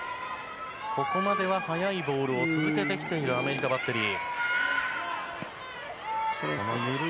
ここまでは速いボールを続けてきているアメリカバッテリー。